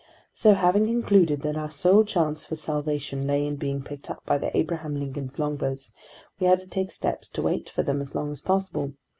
So, having concluded that our sole chance for salvation lay in being picked up by the Abraham Lincoln's longboats, we had to take steps to wait for them as long as possible.